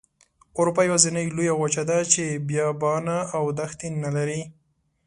اروپا یوازینۍ لویه وچه ده چې بیابانه او دښتې نلري.